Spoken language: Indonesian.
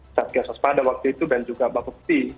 sebagaimana arahan dari satgas waspada waktu itu dan juga pak bokti